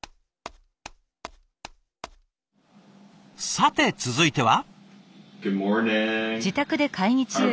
さて続いては。